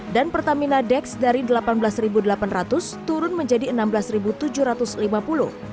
dan pertamina dex dari rp delapan belas delapan ratus turun menjadi rp enam belas tujuh ratus lima puluh